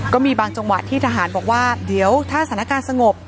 ก็มีบางจังหวะที่ทหารบอกว่าเดี๋ยวถ้าสถานการณ์สงบ